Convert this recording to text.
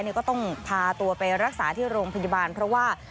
เราก็ต้องพาตัวไปรักษาที่โรงพยาบาล